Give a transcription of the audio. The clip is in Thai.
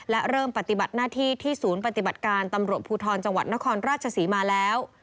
และเริ่มปฏิบัติหน้าที่ที่ศูนย์ปฏิบัติการตำรวจภูทรจังหวัดนครราชศรีมาแล้ว